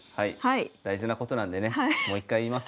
大事なことなんでねもう一回言います。